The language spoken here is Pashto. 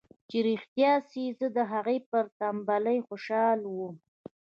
چې رښتيا سي زه د هغه پر ټمبلۍ خوشاله وم.